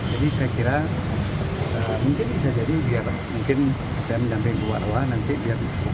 jadi saya kira mungkin bisa jadi biar mungkin saya menjelangkan ke marwah nanti biar marwah yang